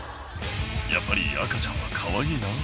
「やっぱり赤ちゃんはかわいいな」